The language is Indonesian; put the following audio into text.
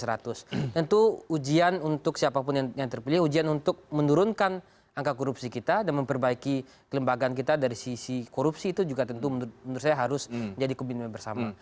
dan itu ujian untuk siapapun yang terpilih ujian untuk menurunkan angka korupsi kita dan memperbaiki kelembagaan kita dari sisi korupsi itu juga tentu menurut saya harus jadi komitmen bersama